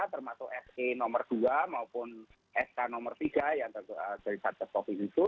termasuk sk nomor dua maupun sk nomor tiga yang dari sars cov itu